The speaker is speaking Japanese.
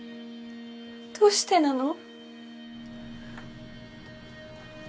どうしてなの！？